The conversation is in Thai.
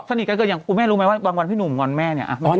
สนิทกันเกิดอย่างคุณแม่รู้ไหมว่าบางวันพี่หนุ่มวันแม่เนี่ย